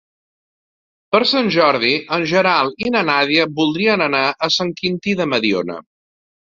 Per Sant Jordi en Gerai i na Nàdia voldrien anar a Sant Quintí de Mediona.